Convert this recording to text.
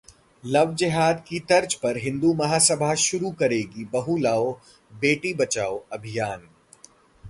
love जेहाद की तर्ज पर हिंदू महासभा शुरू करेगी बहू लाओ बेटी बचाओ अभियान